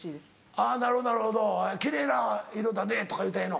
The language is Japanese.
あぁなるほどなるほど「奇麗な色だね」とか言うたらええの？